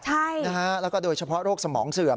ใช่นะฮะแล้วก็โดยเฉพาะโรคสมองเสื่อม